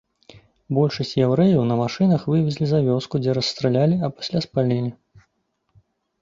Большасць яўрэяў на машынах вывезлі за вёску, дзе расстралялі, а пасля спалілі.